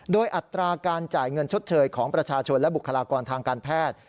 โดยอัตราการจ่ายเงินชดเชยของประชาชนและบุคลากรทางการแพทย์